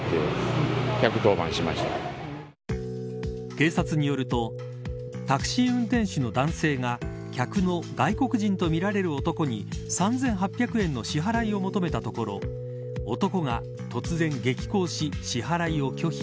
警察によるとタクシー運転手の男性が客の外国人とみられる男に３８００円の支払いを求めたところ男が突然激高し、支払いを拒否。